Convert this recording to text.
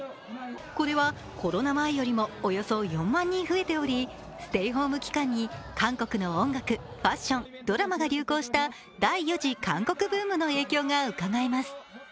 これはコロナ前よりもおよそ４万人増えておりステイホーム期間に韓国の音楽、ファッション、ドラマが流行した第４次韓国ブームの影響がうかがえます。